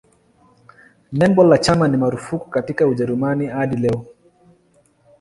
Nembo la chama ni marufuku katika Ujerumani hadi leo.